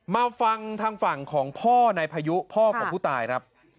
มาฟังทางฝั่งของพ่อนายพายุพ่อของผู้ตายครับ